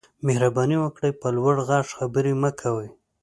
مهرباني وکړئ په لوړ غږ خبرې مه کوئ